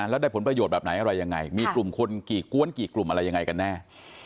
แล้วได้ผลประโยชน์แบบไหนอะไรยังไงมีกลุ่มคนกี่กวนกี่กลุ่มอะไรยังไงกันแน่